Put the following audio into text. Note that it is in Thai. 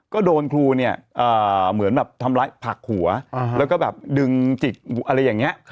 ก็โดนครูเนี่ยเหมือนแบบทำร้ายผลักหัวแล้วก็แบบดึงจิกอะไรอย่างนี้